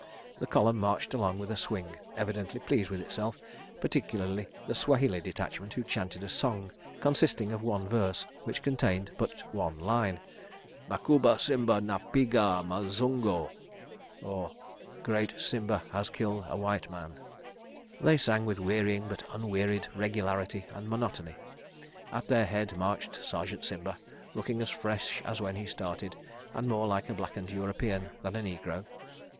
... The column marched along with a swing, evidently pleased with itself, particularly the Swahili detachment, who chanted a song consisting of one verse which contained but one line. "Macouba Simba na piga mazungo," {133b} they sang with wearying but unwearied regularity and monotony. At their head marched Sergeant Simba, looking as fresh as when he started, and more like a blackened European than a negro.